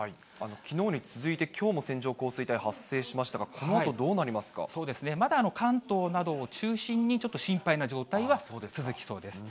きのうに続いてきょうも線状降水帯が発生しましたが、このあまだ関東などを中心に、ちょっと心配な状態は続きそうです。